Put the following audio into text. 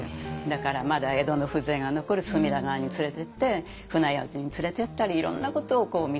だからまだ江戸の風情が残る隅田川に連れてって船宿に連れていったりいろんなことを見させる。